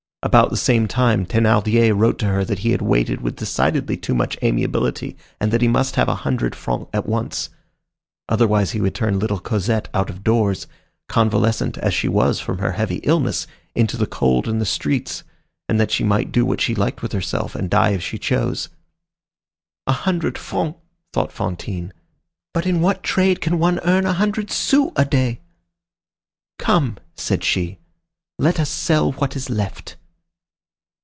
About the same time, Thénardier wrote to her that he had waited with decidedly too much amiability and that he must have a hundred francs at once; otherwise he would turn little Cosette out of doors, convalescent as she was from her heavy illness, into the cold and the streets, and that she might do what she liked with herself, and die if she chose. "A hundred francs," thought Fantine. "But in what trade can one earn a hundred sous a day?" "Come!" said she, "let us sell what is left."